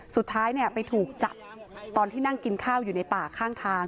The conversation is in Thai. สุดท้ายไปถูกจับตอนที่นั่งกินข้าวอยู่ในป่าข้างทาง